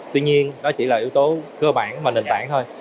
tuy nhiên đó chỉ là yếu tố cơ bản mà nền tảng thôi